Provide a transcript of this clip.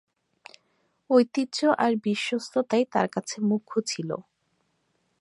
ঐতিহ্য আর বিশ্বস্ততাই তার কাছে মুখ্য ছিল।